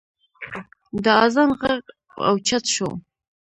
د اذان غږ اوچت شو.